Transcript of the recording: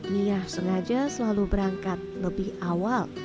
nia sengaja selalu berangkat lebih awal